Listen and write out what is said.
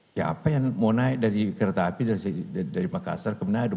siapa yang mau naik dari kereta api dari makassar ke menado